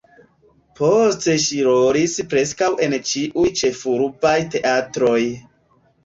Poste ŝi rolis preskaŭ en ĉiuj ĉefurbaj teatroj.